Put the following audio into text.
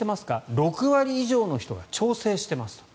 ６割以上の人が調整していますと。